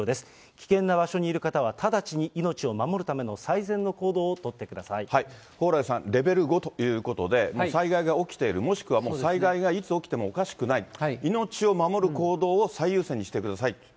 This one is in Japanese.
危険な場所にいる方は直ちに命を守るための最善の行動を取ってく蓬莱さん、レベル５ということで、災害が起きている、もしくはもう災害がいつ起きてもおかしくない、命を守る行動を最優先にしてください。